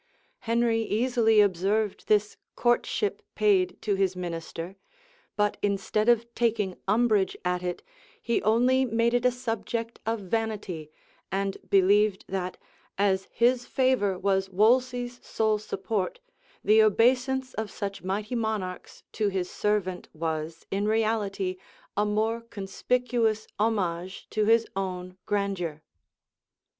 Henry easily observed this courtship paid to his minister; but instead of taking umbrage at it, he only made it a subject of vanity; and believed that, as his favor was Wolsey's sole support, the obeisance of such mighty monarchs to his servant was, in reality, a more conspicuous homage to his own grandeur.